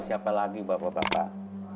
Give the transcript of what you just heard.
siapa lagi bapak bapak